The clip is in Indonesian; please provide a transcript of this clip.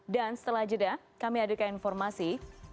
dan setelah jeda kami adekat informasi